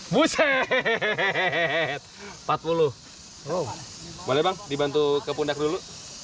buset empat puluh boleh dibantu ke pundak dulu